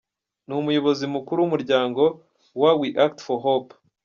Ni umuyobozi mukuru w’umuryango wa “We Act For Hope”.